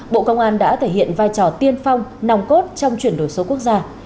bộ công an đã thể hiện vai trò tiên phong nòng cốt trong chuyển đổi số quốc gia